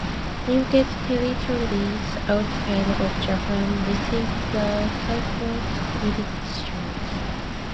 Limited territories outside of Japan received the physical editions.